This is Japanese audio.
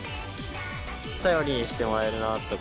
頼りにしてもらえるなとか。